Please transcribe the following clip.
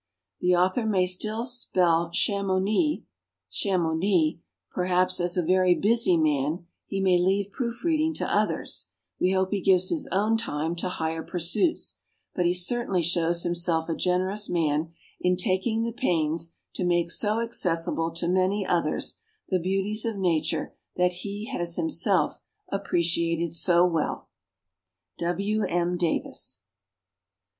The author may still spell Chamonix ^' Chamonni ;" perhaps, as a very busy man, he may leave proof reading to others (we hope he gives his own time to higher pursuits), but he certainly shows himself a generous man in taking the pains to make so accessible to many others the beauties of nature that he has himself appreciated so well. W. M. Davis.